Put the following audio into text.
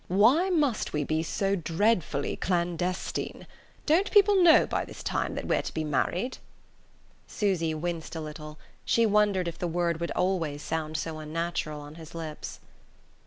Why must we be so dreadfully clandestine? Don't people know by this time that we're to be married?" Susy winced a little: she wondered if the word would always sound so unnatural on his lips.